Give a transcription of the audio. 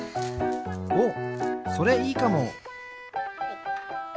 おっそれいいかも。